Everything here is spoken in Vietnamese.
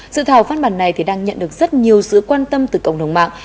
sự thảo phát bản này thì đang nhận được rất nhiều sự quan tâm từ cộng đồng mạng